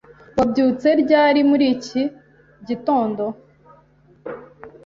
Wabyutse ryari muri iki gitondo?